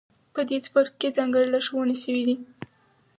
په دې څپرکو کې ځانګړې لارښوونې شوې دي.